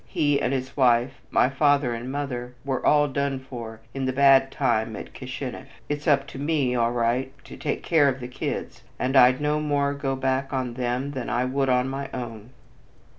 He and his wife, my father and mother, were all done for in the bad time at Kishinef. It's up to me all right to take care of the kids, and I'd no more go back on them than I would on my own."